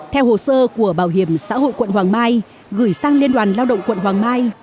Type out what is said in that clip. theo hồ sơ của bảo hiểm xã hội quận hoàng mai gửi sang liên đoàn lao động quận hoàng mai